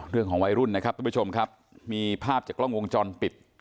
เรื่องของวัยรุ่นนะครับทุกผู้ชมครับมีภาพจากกล้องวงจรปิด